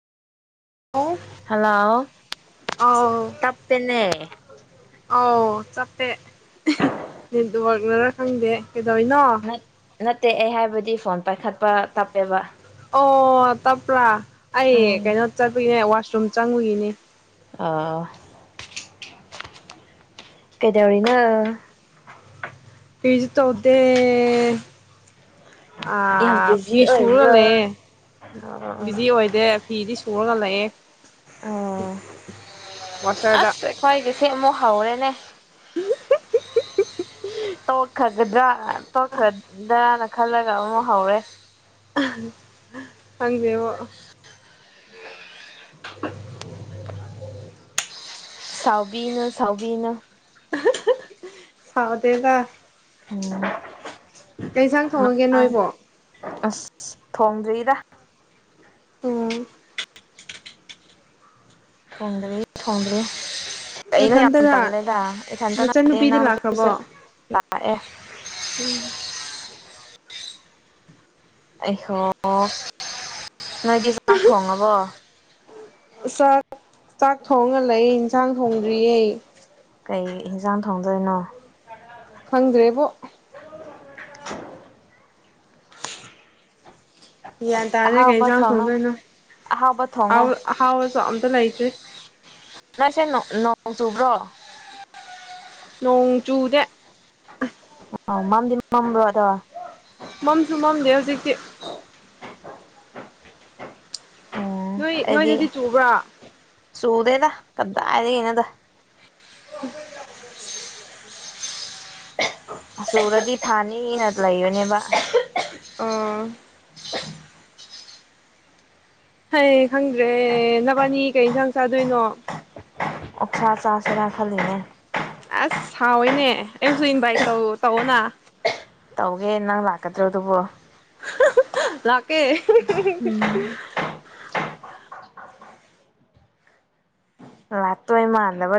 ꯑꯣ ꯍꯜꯂꯣ ꯑꯥꯎ ꯇꯞꯄꯦꯅꯦ ꯑꯥꯎ ꯆꯞꯄꯦ ꯅꯦꯠꯋꯥꯛꯅꯔꯥ ꯈꯪꯗꯦ ꯀꯗꯣꯏꯅꯣ ꯅꯠꯇꯦ ꯑꯩ ꯍꯥꯏꯕꯗꯤ ꯐꯣꯟ ꯄꯥꯏꯈꯠꯄ ꯇꯞꯄꯦꯕ ꯑꯣ ꯇꯞ꯭ꯔꯥ ꯑꯩꯌꯦ ꯎꯝ ꯀꯩꯅꯣ ꯆ ꯁꯨꯝ ꯆꯪꯉꯨꯒꯤꯅꯦ ꯑꯥ ꯀꯦꯗꯧꯔꯤꯅ ꯐꯤꯁꯨ ꯇꯧꯗ ꯌꯥꯝ ꯐꯤ ꯕꯤꯖꯤ ꯁꯨꯔꯒ ꯂꯩꯑꯦ ꯑꯣꯏꯕ꯭ꯔꯥ ꯑꯣ ꯕꯤꯖꯤ ꯑꯣꯏꯗꯦ ꯐꯤꯗꯤ ꯁꯨꯔꯒ ꯂꯩꯑꯦ ꯑꯣ ꯋꯥꯁꯔꯗ ꯑꯁ ꯑꯩꯈꯣꯏꯒꯤꯁꯦ ꯑꯃꯨꯛ ꯍꯧꯔꯦꯅꯦ ꯇꯧꯈꯒꯗ꯭ꯔꯥ ꯄꯈꯗ ꯈꯜꯂꯒ ꯑꯃꯨꯛ ꯍꯧꯔꯦ ꯍꯦ [unintelligible] ꯁꯥꯎꯕꯤꯅ ꯁꯥꯎꯕꯤꯅ ꯁꯥꯗꯦꯒ ꯎꯝ ꯀꯩꯁꯥꯡ ꯊꯣꯡꯉꯒꯦ ꯃꯇꯥꯡ ꯅꯣꯏꯕꯣ ꯑꯁ ꯊꯣꯡꯗ꯭ꯔꯤꯗ ꯎꯝ ꯐꯣꯡꯗ꯭ꯔꯦ ꯐꯣꯡꯗ꯭ꯔꯦ ꯩꯅ ꯌ ꯅꯊꯟꯇꯔ ꯇꯔꯂꯗ ꯁꯟꯇ ꯅꯆꯟꯅꯨꯄꯤꯗꯤ ꯂꯥꯛꯑꯦ ꯑꯩ ꯑꯩꯍ ꯅꯣꯏꯒꯤ ꯆꯥꯛ ꯊꯣꯡꯉꯕꯣ ꯁ ꯇꯥꯛ ꯊꯣꯡꯉ ꯂꯩ ꯍꯛꯁꯥꯡ ꯊꯣꯡꯗ꯭ꯔꯤꯌꯦꯩ ꯀꯩ ꯌꯦꯟꯁꯥꯡ ꯊꯣꯡꯗꯣꯏꯅꯣ ꯈꯪꯗ꯭ꯔꯦꯕꯣ [inaudible] ꯌꯦ ꯇ ꯑꯔꯦ ꯀꯩ ꯑꯍꯥꯎꯕ ꯊꯣꯡꯉꯣ ꯆꯥꯡꯁꯗꯣꯏꯅ ꯑꯍꯥꯎꯕ ꯊꯣꯡꯉꯣ ꯑ ꯍꯥꯎ ꯆ ꯂꯥꯏꯆꯦ ꯅꯪꯁꯦ ꯅꯣꯡ ꯆꯨꯕ꯭ꯔꯣ ꯅꯣꯡ ꯆꯨꯗꯦ ꯑ ꯃꯝꯗꯤꯃꯝꯕ꯭ꯔꯣ ꯑꯗ ꯃꯝꯁꯨꯨ ꯃꯝꯗꯦ ꯁꯇ ꯎꯝ ꯅꯣꯏ ꯑꯩꯗꯤ ꯅꯣꯏꯗꯗꯤ ꯆꯨꯕ꯭ꯔꯥ ꯇꯗꯥ ꯍꯥꯏꯔꯒꯩꯅꯗ ꯎꯝ ꯁꯨꯔꯗꯤ ꯊꯥꯅꯤꯅ ꯂꯩꯌꯣꯅꯦꯕ ꯑꯥ ꯍꯌꯦ ꯈꯪꯗ꯭ꯔꯦ ꯅꯕꯥꯅꯤ ꯀꯩ ꯏꯟꯁꯥꯡ ꯆꯥꯗꯣꯏꯅꯣ ꯑꯣꯛꯁꯥ ꯆꯥꯁꯤꯔꯥ ꯈꯜꯂꯤꯉ ꯑꯁ ꯍꯥꯎꯋꯏꯅꯦ ꯑꯩꯕꯨꯁꯨ ꯏꯟꯚꯥꯏꯠ ꯇꯧ ꯇꯧꯑꯣꯅ ꯇꯧꯒꯦ ꯏ ꯅꯪ ꯂꯥꯛꯗ꯭ꯔꯣ ꯑꯗꯨꯕꯨꯣ ꯂꯥꯛꯀꯦ ꯎꯝ ꯂꯠꯇꯋꯥꯃ ꯑꯗꯕ